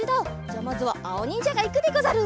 じゃまずはあおにんじゃがいくでござる。